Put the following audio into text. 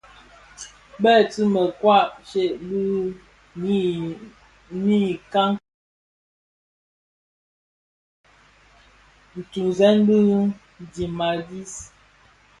Betceu mekoai chi bé yii mikankan, bố chi bộ, ntuňzèn di dhim a dis,